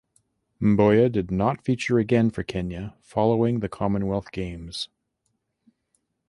Mboya did not feature again for Kenya following the Commonwealth Games.